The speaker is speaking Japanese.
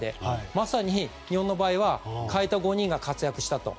まさに、日本は代えた５人が活躍したと。